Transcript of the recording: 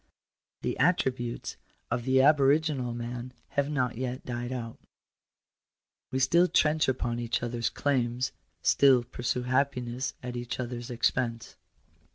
The attributes of the aboriginal man have not yet died out We still trench upon each other's claims — still pursue happiness at each other s expense.